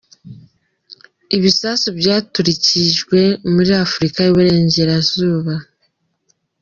Ibisasu byaturikijwe muri afurika yuburenjyera zuba